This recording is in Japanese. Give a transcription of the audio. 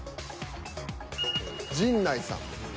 陣内さん。